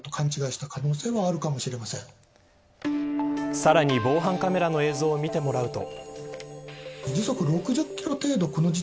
さらに、防犯カメラの映像を見てもらうと。